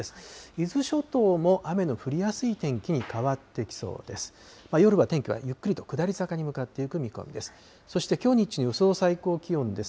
伊豆諸島も雨の降りやすい天気に変わってきそうです。